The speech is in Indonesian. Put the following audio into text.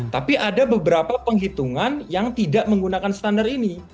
tapi ada beberapa penghitungan yang tidak menggunakan standar ini